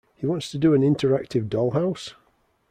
He wants to do an interactive doll house?